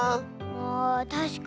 あたしかに。